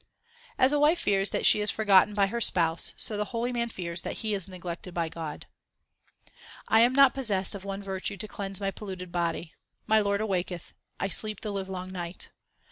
As a wife fears that she is forgotten by her spouse, so the holy man fears that he is neglected by God: I am not possessed of one virtue to cleanse my polluted body. My Lord awaketh ; I sleep the livelong night.